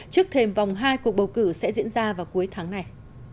trước thêm vòng hai cuộc bầu cử sẽ diễn ra vào cuối tháng này